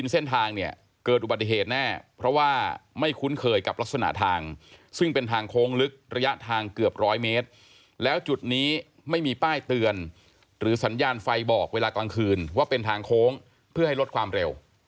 ซึ่งเป็นทางโค้งลึกระยะทางเกือบร้อยเมตรแล้วจุดนี้ไม่มีป้ายเตือนหรือสัญญาณไฟบอกเวลากลางคืนว่าเป็นทางโค้งเพื่อให้ลดความเร็ว